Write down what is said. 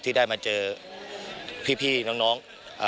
ที่ได้มาเจอพี่น้อง